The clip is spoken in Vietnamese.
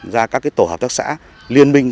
ra các cái tổ hợp tác xã liên minh